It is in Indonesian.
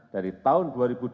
dari tahun dua ribu dua puluh